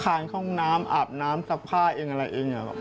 ห้องน้ำอาบน้ำซักผ้าเองอะไรเอง